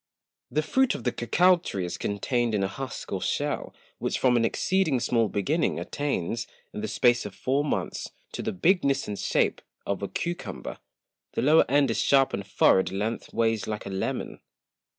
The Fruit of the Cocao Tree is contained in a Husk or Shell, which from an exceeding small Beginning, attains, in the space of four Months, to the Bigness and Shape of a Cucumber; the lower End is sharp and furrow'd length ways like a Melon[c].